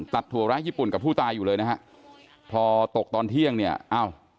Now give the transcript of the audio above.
ถั่วร้ายญี่ปุ่นกับผู้ตายอยู่เลยนะฮะพอตกตอนเที่ยงเนี่ยอ้าว